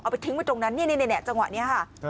ไปทิ้งไว้ตรงนั้นนี่จังหวะนี้ค่ะ